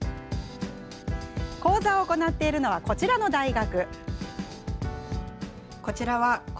講座を行っているのはこちらの大学。